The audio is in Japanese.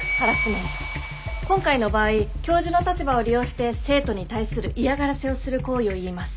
今回の場合教授の立場を利用して生徒に対する嫌がらせをする行為をいいます。